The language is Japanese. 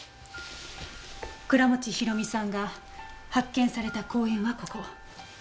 倉持広美さんが発見された公園はここ。